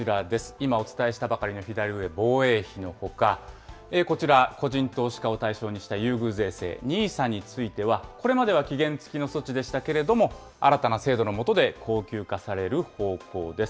今、お伝えしたばかりの左上、防衛費のほか、こちら、個人投資家を対象にした優遇税制、ＮＩＳＡについては、これまでは期限付きの措置でしたけれども、新たな制度の下で恒久化される方向です。